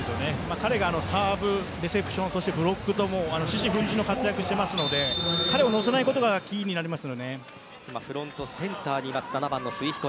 彼がサーブ、レセプションブロックともに獅子奮迅の活躍をしていますので彼を乗せないことがキーになります。